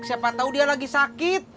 siapa tahu dia lagi sakit